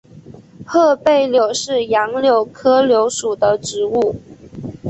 褐背柳是杨柳科柳属的植物。